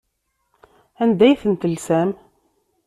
Anda ay tent-telsam?